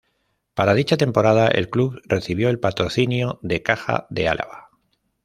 Para dicha temporada el club recibió el patrocinio de Caja de Álava.